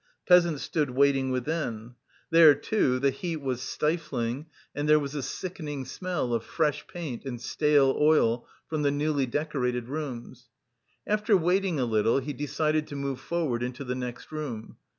Peasants stood waiting within. There, too, the heat was stifling and there was a sickening smell of fresh paint and stale oil from the newly decorated rooms. After waiting a little, he decided to move forward into the next room.